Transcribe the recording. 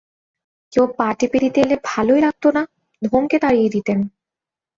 কেউ পা টিপে দিতে এলে ভালোই লাগত না, ধমকে তাড়িয়ে দিতেম।